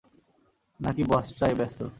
নাকি বচসায় ব্যস্ত?